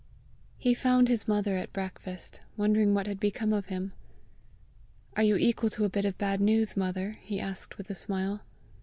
He found his mother at breakfast, wondering what had become of him. "Are you equal to a bit of bad news, mother?" he asked with a smile.